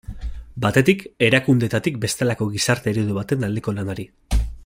Batetik, erakundeetatik bestelako gizarte eredu baten aldeko lanari.